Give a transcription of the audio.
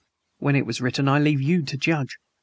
When it was written I leave you to judge.